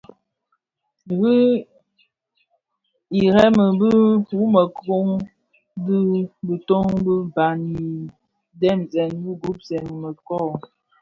Irèmi wu mëkōň dhi kitoň ki bhan idhemzè bi gubsèn i mëkōň.